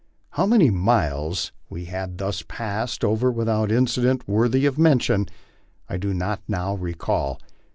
How many miles we had thus passed over without incident worthy of mention, I do not now recall.